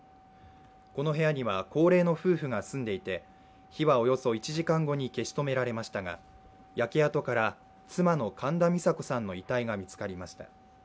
この部屋には高齢の夫婦が住んでいて、火はおよそ１時間後に消し止められましたが、焼け跡から、妻の神田美佐子さんの遺体が見つかりました。